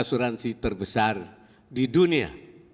asuransi terbesar di dunia